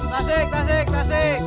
tasik tasik tasik